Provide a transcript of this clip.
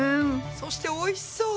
そしておいしそう。